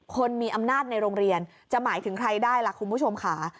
คนมีอำนาจในโรงเรียนจะหมายถึงใครได้ล่ะคุณผู้ชมค่ะ